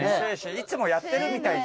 いつもやってるみたい。